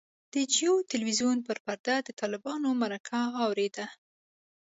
د جیو تلویزیون پر پرده د طالبانو مرکه اورېده.